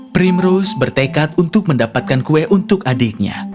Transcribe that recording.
primrose bertekad untuk mendapatkan kue untuk adiknya